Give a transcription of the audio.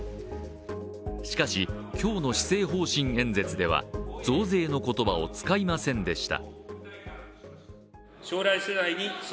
しかし今日の施政方針演説では増税の言葉を使いませんでした。